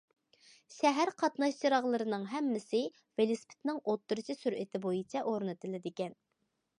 شەھەر قاتناش چىراغلىرىنىڭ ھەممىسى ۋېلىسىپىتنىڭ ئوتتۇرىچە سۈرئىتى بويىچە ئورنىتىلىدىكەن.